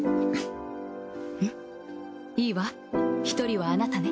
いいわ１人はあなたね。